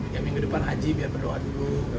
ya minggu depan haji biar berdoa dulu